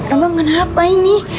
abang kenapa ini